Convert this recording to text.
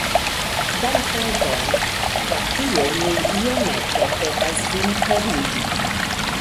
Dankegon. Pro tio mi iomete petas vin foriri.